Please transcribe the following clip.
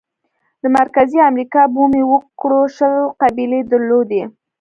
د مرکزي امریکا بومي وګړو شل قبیلې درلودې.